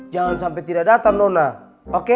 jangan sampai tidak datang nona oke